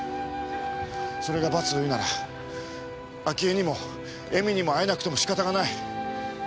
それが罰というなら明恵にも恵美にも会えなくても仕方がない。